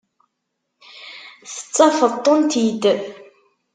Tettafeḍ-tent-id.